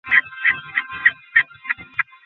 আমি তখন তাদের ঘৃণা করতাম না।